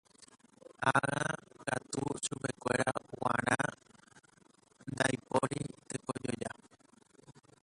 Ág̃a katu chupekuéra g̃uarã ndaipóri tekojoja.